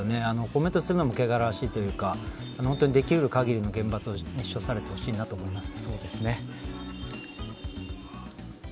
コメントするのも汚らわしいというかできる限りの厳罰に処されてほしいと思います。